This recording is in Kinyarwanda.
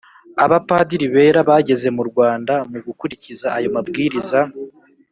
Abapadiri bera bageze mu Rwanda, mu gukurikiza ayo mabwiriza